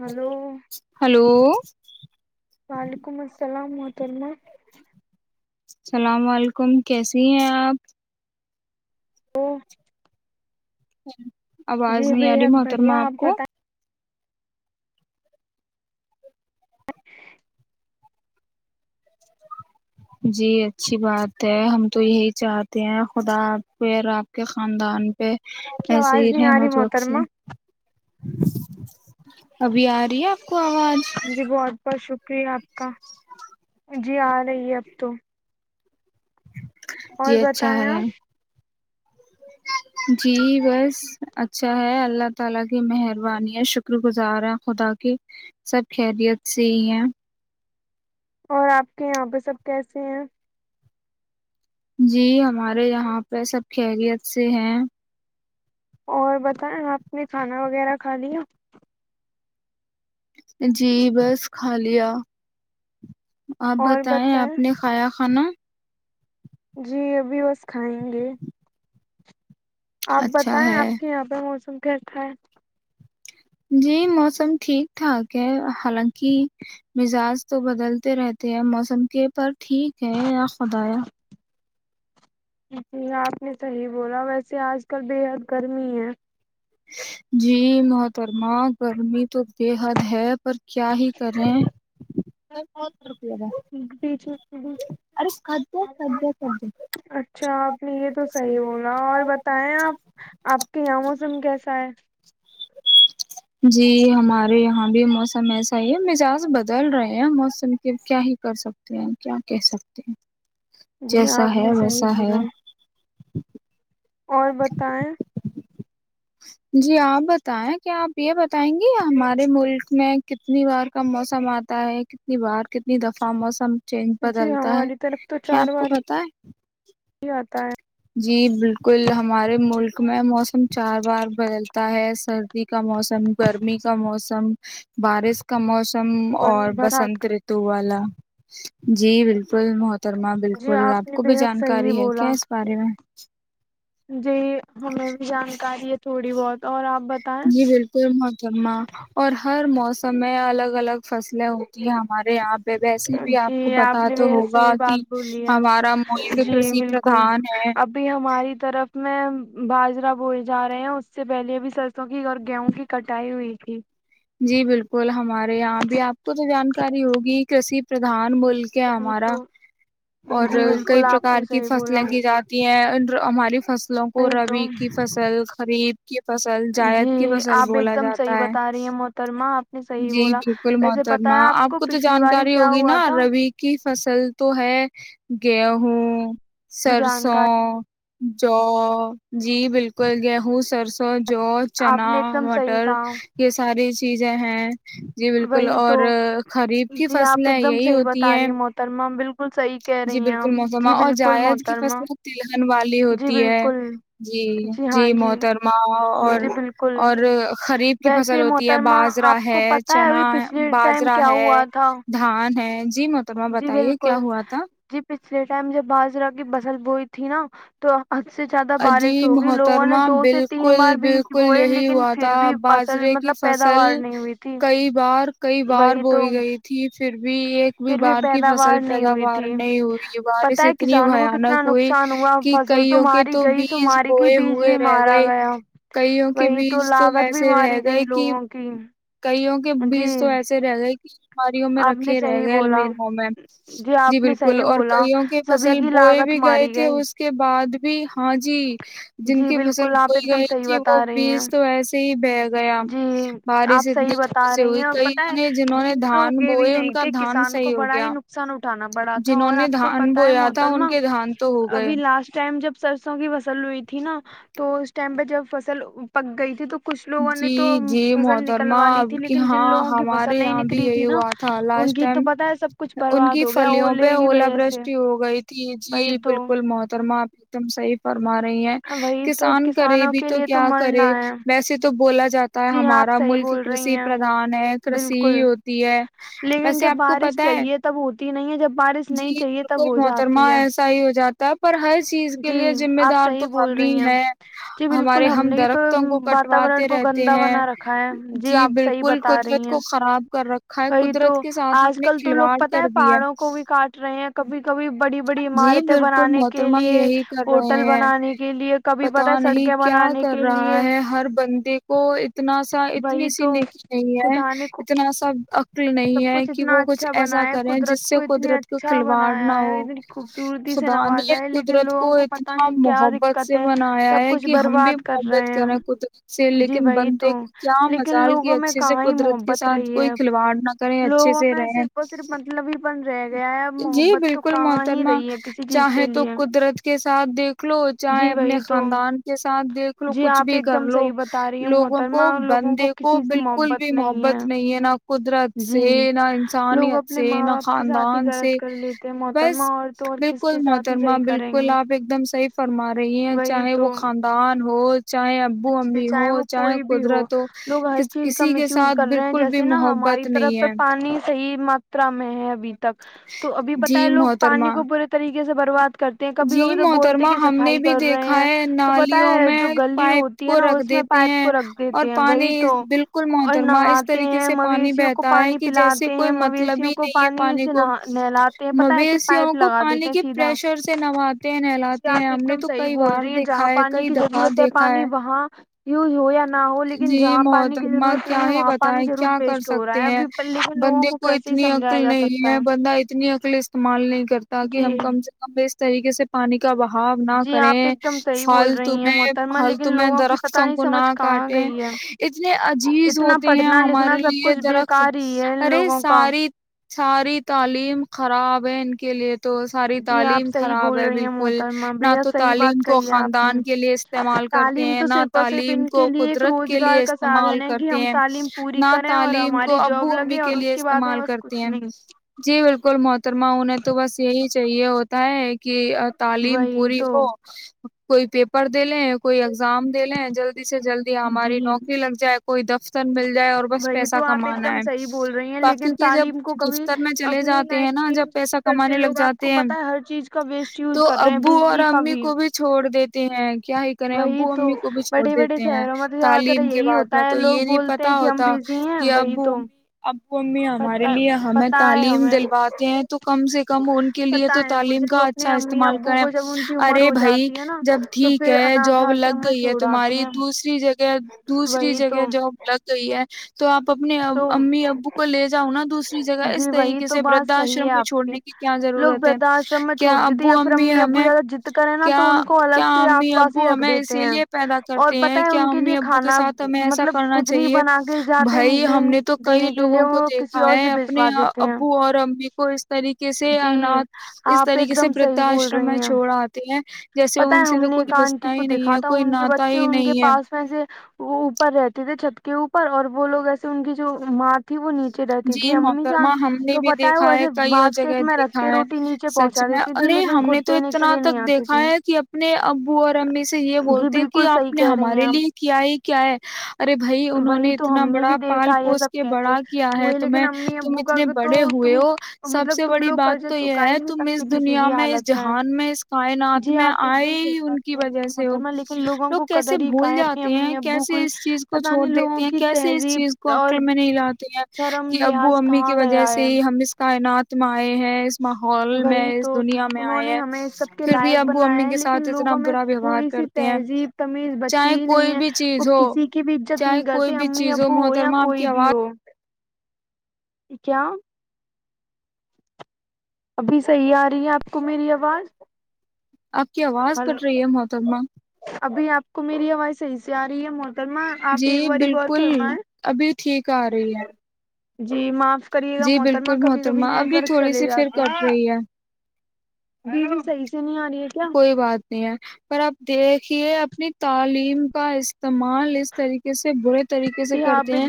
hello وعلیکم السلام ج میں سلام ععلیکم کیسی ہیں آپ وہ ہ آواز نہیں آ رہی محترمہ آپ کو جی اچھی بات ہے ہم تو یہی چاہتے ہیں خدا آپ پہ آپ کے خاندان پہ پذیر ہے مج وق سے ابھی آ رہی ہے آپ جی بہت بہت شک شکریہ آپ کا جی آ رہی ہے اب تو جی اچھا ہے جی ویورز اچھا ہے اللہ تعالی کے مہربانیاں شکر گزار ہیں خدا کی سب خیریت سے ہی ہیں اور آپ کے یہاں پہ سب کیسے ہیں جی ہمارے یہاں پہ سب خیلیت سے ہیں اور بتائیں آپ نے کھانا وغیرہ کھا لیا جی بس خالیا آپ بتائیں آپ نے کھایا کانا جی ابھی بس کھائیں گے آپ بتائیں آپ کے یہاں پہ موسم گھر تھا ہے جی موسم ٹھیک ٹھاک ہے حالانکہ مزاج تو بدلتے رہتے ہیں موسم کے پر ٹھیک ہے آ خدایا جی آپ نے صحیح بولا ویسے آج کل بےحد گرمی ہے جی محترمہ گرمی تو بے حد ہے پر کیا ہی کر رہے ہیں بہت فرق لگا ارے کاا سار جی ہمارے یہاں بھی موسم ایسا ہی ہے مزاج بدل رہے ہیں موسم کے کیا ہی کر سکتے ہیں کیا کہہ سکتے ہیں جیسا ہے ویسا ہے اور بتائیں جی آپ بتائیں کیا آپ یہ ب ائیں گے یا ہمارے ملک میں کتنی بار کا موسم آتا ہے کتنی بار کتنی دفع موسم چینج بدلتا ہے کیا آپ کو پتا ہے جی بالکل ہمارے ملک میں موسم چار بار بدلتا ہے سردی کا موسم گرمی کا موسم بارش کا موسم م اور بسنت رتو والا جی بالکل محت ترما بالکل آپ کو بھی جانکاری ہے کیا اس بارے میں بہار کی اوج عا رہی ہے جی ہمیں بھی جان الی ہے تھوڑی بہت اور آپ جی بالکل جمہ اور ہر موسم میں الگ الگ فصلیں ہوتی ہیں ہمارے یہاں پہ ویسے بھی آپ کو پت تو ہوگا کہ ہمارا ملک کرشی پردھان ہے اس میں باجرا بول جا رہے ہیں اس سے پہلے بھی سرسوں کی اور گیہوں کی کٹائی ہوئی تھی جی بالکل ہمارے یہاں اب آپ کو تو جانکاری ہوگی کی پردان بول مل کے ہمارا اور کئی پرکار کی فصلیں کی جاتی ہیں ان ہماری فصلوں کو ربی کی فصل خرید کی فصل جیید کی فصل بولا جاتا ہے جی بالکل محترما آپ کو تو جانکاری ہوگی نا ربی کی فصل تو ہے گ ہوں سرسوں جو جی بالکل گ ہ سرسوں جو چنا مٹر یہ ساری چیزیں ہیں جی بالکل اور خریف کی فصلیں یہی ہوتی ہیں بالکل صحیح کہہ رہی ہیں آپ جی بالکل محترما والی ہوتی ہے جی جی محترما اور اور خریف کی فصل ہوتی ہے باجرا ہے چنا باجرا ہے دھان ہے جی محتمہ بتائیے کیا ہوا جی پچھلے ٹائم جب بازرا کی بسل بوئی تھی نا تو اجی محترمہ بالکل بالکل یہی ہوا تھا باجرے کی فصل کئی بار کئی بار بوئی گئی تھی پھر بھی ایک بھی بار کی فصل پیداوار نہیں ہوئی یہ بارش اتنی بیاانک ہوئی کہ کئیوں کے تو بیج بوئے ہوئے رہ گئے کئیوں کے بیج تو ایسے رہ گئے کہ کئیوں کے بیچ تو ایسے رہ گئے کہ بیماریوں میں رکھے رہ گئے المیروں میں جی بالکل اور کئیوں کی فصل بوئے بھی گئے تے اس کے بعد بھی ہاں جی جن کی فصل بوئی گئی تھی وہ بیج تو ایسے ہی بہ گیا بارش اتنی رہی ہیں ا پت ہے بیج تو اگے بھی نہیں تھے کسان کو بڑا ہی نقصان ہو اٹھانا پڑا تھا اور آپ کو پت ہے محترما ابھی لاسٹ ٹائم جب سرسوں کی فصل لئی تھی نا تو اس ٹائم پہ جب فصل پک گئی تھی تو کچھ لوگوں نے تو فزل نکلوا لی تھی کہ ہاں ہمارے یہاں بھی یہی ہوا تھا لاسٹ ٹائم ان کی فلیوں پہ اولا بشٹی ہو گئی تھی جی بالکل محتر پ توم سئی پ ما رہی ہیں کسان کرے بھی تو کیا کرے تو بولا جاتا ہے ہمارا ملک کری پردھان ہے کرشی ہی ہوتی ہے ویسے آپ کو پت ہے جی بالکل محترمہ ایسا ہی ہو جاتا تب پر ہر چیز کے لیے ذمہ دار تو ہم ہی ہے ہمارے ہم درختوں کو ک واتورن کو گندا بنا رکھا ہے جی آپ صحیح بتا رہی ہیں کر وہی تو آج کل تو لوگ پتا ہے پہاڑوں کو بھی کاٹ رہے ہیں کبھی کبھی جی بالکل محترما یہی کر رہے ہیں پت نہیں کیا کر رہا ہے ہر بندے کو اتنا سا اتنی سی نیکی نہیں ہے اتنا سا شکل نہیں ہے کہ وہ کچھ ایسا کرے جس سے قدرت کو کھلواڑ نہ ہو خدا نے قدرت کو اتنا محبت سے بنایا ہے کہ ہم بھی محبت کریں قدرت سے لیکن بندے کو کیا مزال کی اچھے سے قدرت کے ساتھ کوئی کھلواڑ لوگوں میں صرف اور صرف مطلب ہی پن رہ گیا ہے اب محبت تو کہاں ہی چاہے تو قدرت کے ساتھ دیکھ لو چاہے اپنے خاندان کے ساتھ دیکھ لو کچھ بھی کر لو لوگوں کو بندے کو بالکل بھی محبت نہیں ہے نا قدرت سے نہ انسانیت سے نہ خاندان سے بس بالکل محترمہ بالکل آپ ایک دم صحیح فرما رہی ہیں چاہے وہ خاندان ہو چاہے ابو امی ہو چاہے قدرت ہو کسی کے ساتھ بالکل بھی محبت نہیں ہے ماترا میں ہے ابھی تک تو ابھی بت ہے لوگ پانی کو پورے طریقے سے برباد کرتے ہیں کبھی کبھی تو بولتے کہ صفائی کر رہے ہیں تو پتا ہے جو گلی ہوتی کو رکھ دیتے ہیں اور پانی بالکل محترمہ اس طریقے سے پانی بہتا ہے کہ جیسے کوئی مطلب ہی نہیں ہے پانی کو مویشیوں کو پانی کے پریشر سے نماتے ہیں نہلاتے ہیں ہم نے تو کئی بار دیکھا ہے کئی دفعہ دیکھا ہے ہاں جی محتمہ کیا ہی بتائے کیا کر سکتے ہیں بندے کو اتنی عقل نہیں ہے بندہ اتنی عقل استعمال نہیں کرتا کہ ہم کم سے کم طریقے سے پانی کا بہاؤ نہ کریں فالتو میں فالتو میں درختوں کو نہ کاٹے ہیں اتنے عجیز ہوتے ہیں ہمارے لیے درخت ارے ساری ساری تعلیم خراب ہے ان کے لیے تو ساری تعلیم خراب ہے بالکل نہ تو تعلیم کو خاندان کے لیے استعمال کرتے ہیں نہ تعلیم کو کے لیے استعمال کرتے ہیں نہ تعلیم کو ابو امی کے لیے استعمال کرتے ہیں جی بالکل مترا ہ تو بس یہی چاہیے ت ایک کہ تعلیم پوری ہو کوئی پیپر دے لے ہیں کوئی ایگزام د لےیں جلدی سے جلد ہماری نوکری لگ جائے کوئی دفتر مل جائے اور بس پیسہ کمانا ہے باقی کے جب دفتر میں چلے جاتے ہیں نا جب پیسہ کمانے لگ جاتے ہیں تو ابو اور امی کو بھی چھوڑ دیتے ہیں کیا ہی کریں ابو امی کو بھی چھوڑ دیتے ہیں تعلیم کے بعد میں تو یہ نہیں پتا ہوتا کہ ابو امی ا امی ہمارے لیے ہمیں تعلیم دلواتے ہیں تو کم سے کم ان کے لیے تو تعلیم کا اچھا استعمال کریں ارے بھائی جب ٹھیک ہے جاب لگ گئی ہے تمہاری دوسری دوسری جگہ دوسری جگہ ج الگ گی ہوئی ہے تو آپ اپنے امی ابو کو لے جاؤ نا جی وہی تو بات صحیح ہے آپ کی لوگ دھاشرم میں چھوڑ دیتے یا پھر امی ابو زیادہ جضد کریں نا تو ان کو الگ سے آس پاس ہی رکھ دیتے ہیں اور پتہ ہے ان ا ابو کے ساتھ ہمیں ایسا کرنا چاہیے بھائی ہم نے تو کئی لوگوں کو د اپنے ابو اور اممی کو اس طریقے سے انھ اس طریقے سے ودھا آشرم میں چھوڑ آتے ہیں جیسے ان سے تو کچھ بچتا ہی نہیں ہے کوئی ناا ہی نہیں ہے اس میں سے وہ اوپر رہتی تھے چھت کے اوپر اور وہ لوگ ایسے ان کی جو ماں تھی وہ نیچ نیچے رہتی تھی امی جان تو پتا ہے وہ وسے باسکٹ میں رکھ کے روٹی نیچے پہنچا دیتی تھی لیکن خود دینے کے لیے نہیں آتی تھی کہ اپنے ابو اور امی سے یہ بولتے ہیں کہ آپ نے ہمارے لیے کیا ہی کیا ہے ارے بھائی انہوں نے اتنا بڑا پال پوس کے بڑا ہے تمہیں تم اتنے بڑے ہوئے ہو سب سے بڑی بات تو یہ ہے تم اس دنیا میں اس جہان میں اس کائنام میں آئے ہی ان کی وجہ سے وہ لوگ کیسے بھول جاتے ہیں کیسے اس چیز کو چھوڑ دیتے ہیں کیسے اس چیز کو عقل میں نہیں لاتے ہیں کہ ابو امی کی وجہ سے ہی ہم اس کائنات م آئے ہیں اس ماحول میں اس دنیا میں آئے ہیں پھر بھی ابو امی کے ساتھ اتنا برا ویوہار کرتے ہیں چاہے کوئی بھی چیز ہو چاہے کوئی بھی چیز ہو محترمہ آپ کی آواز کیا ابھی صحیح آ رہی ہے آپ کو میری آواز اپکی وازس کٹری ہے محترمہ ابھی آپ کو میری آواز صحیح سے آ رہی ہے محترما آپ ایک باری غور کرنا ہے جی میں جی بالکل محترمہ اب بھی تھوڑی سی پھر کٹ رہی ہے بھی صحی [unintelligible] کوئی بات نہیں ہے پر آب دیکھ یہ اپنی تعلیم کا استعمال اس طریقے سے برے طریقے سے کرتے ہیں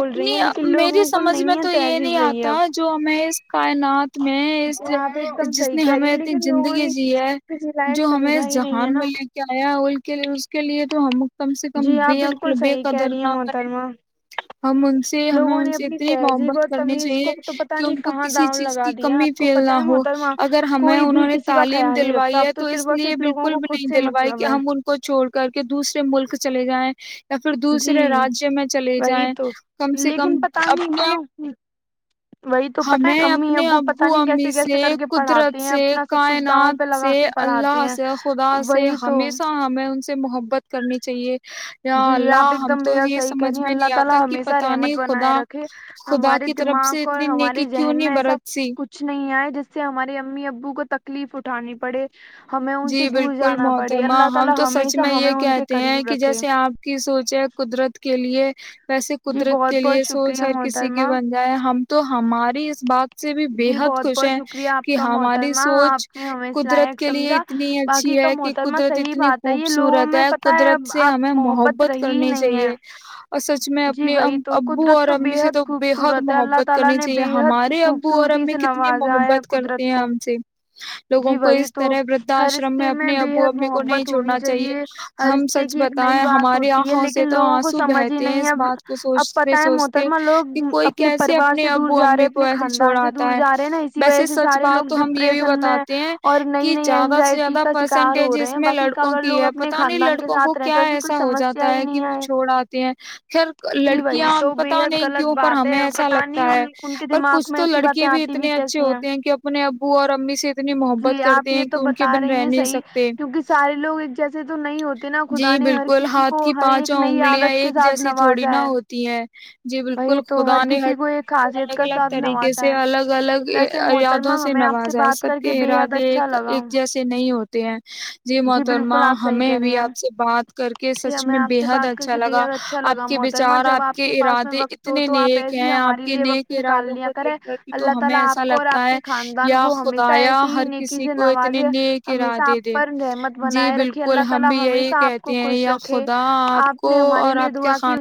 اپنی میری سمجھ میں تو یہ نہیں آتا جو ہمیں کائینات میں اس جس نے ہمیں اپنی زندگی جی ہے جو ہمیں جہان میں لے کے آیا ہے کے اس کے لیے تو ہم کم سے کم ب بدر نہ ہم ان سے ہمیں ان سے اتنی محبت کرنی چاہیے کہ ان کو کسی چیز کی کمی پھیل نہ ہو اگر ہمیں انہوں نے تعلیم دلوائی ہے تو اس لیے بالکل بھی نہیں دلوائی کہ ہم ان کو چھوڑ کر کے دوسرے ملک چلے جائیں یا پھر دوسرے راجیہ میں چلے جائیں کم سے کم اپنے ہمیں اپنے ابو امی سے قدرت سے کائنات سے اللہ سے خدا سے ہمیشہ ہمیں سے محبت کرنی چاہیے [inaudible] اس سے ہمارے امی ابو کو تکلیف اٹھانی پڑے جی بالکل محترمہ ہم تو سچ میں یہ کہتے ہیں کہ جیسے آپ کی سوچ ہے قدرت کے لیے ج ویسے قدرت کے لیے سوچ ہر کسی کی بن جائے ہم تو ہماری اس بات سے بھی بےحد خوش ہیں کہ ہماری سوچ قدرت کے لیے اتنی اچھی ہے کہ قدرت اتنی خوبصورت ہے قدرت سے ہمیں محبت کرنی چاہیے اور سچ میں اپنے ابو اور امی سے تو بےحد محبت کرنی چاہیے ہمارے ابو اور امی کتنی محبت کرتے ہیں ہم سے لوگوں کو اس طرح آشرم میں اپنے ابو امی کو نہیں چھوڑنا چاہیے ہم سچ بتائیں ہماری آنکھوں سے تو آنسو بہتے ہیں اب پتا ہے محترما لوگ اپنے پریوار سے دور جا رہے ہیں اپنے خاندان سے دور جا رہے ہیں نا اسی وجہ سے سارے لوگ ڈپریشن میں اور نئی نئی زیادہ سے زیادہ پرسینٹیج اس میں لڑکوں کی ہے پتہ نہیں لڑکوں کو کیا ایسا ہو جاتا ہے کہ وہ چھوڑ آتے ہیں خیر لڑکیاں پتا نہیں کیوں پر ہمیں ایسا لگتا ہے پر کچھ تو لڑکے بھی اتنے اچھے ہوتے ہیں کہ اپنے ابو اور امی سے اتنی محبت کرتے یہ تو بتا رہی ہیں صحیح کیونکہ سارے لوگ ایک جیسے تو نہیں ہوتے نا خدا نے ہر کسی کو ہر ایک نئی عادت کے ساتھ تھوڑی نہا ہوتی ہے جی بالکل خدا نے ہر کسی کو الگ الگ طریقے سے الگ الگ یادوں سے نوازا ہے سب کے ارادے تو ایک جیسے نہیں نہیں ہوتے ہیں جی محترما ہمیں بھی آپ سے بات کر کے سچ میں بےحد اچھا لگا آپ کے بچار آپ کے ارادے اتنے نیک ہیں آپ کے نیک ارادوں کو دیکھ کر کے تو ہمیں ایسا لگتا ہے یا خدایا ہر کسی وہ اتنے ن گرا دے دے الله تھلا آپ کو ھمحسا خوش رکھے آپ ہمارے لیے دوا رکھے